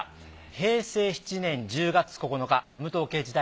平成７年１０月９日武藤敬司対